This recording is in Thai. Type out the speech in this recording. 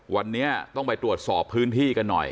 วันนี้ต้องไปตรวจสอบพื้นที่กันหน่อย